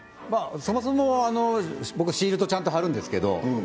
そもそも僕シールドちゃんと貼るんですけど。